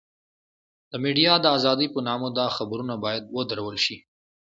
د ميډيا د ازادۍ په نامه دا خبرونه بايد ودرول شي.